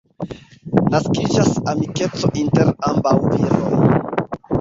Naskiĝas amikeco inter ambaŭ viroj.